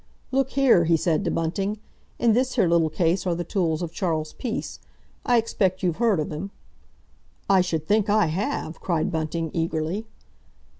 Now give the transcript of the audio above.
"Look here," he said to Bunting. "In this here little case are the tools of Charles Peace. I expect you've heard of him." "I should think I have!" cried Bunting eagerly.